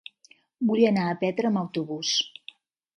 Vull anar a Petra amb autobús.